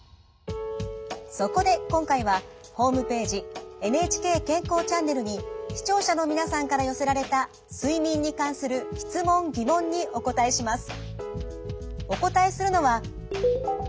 そこで今回はホームページ「ＮＨＫ健康チャンネル」に視聴者の皆さんから寄せられた睡眠に関する質問疑問にお答えします。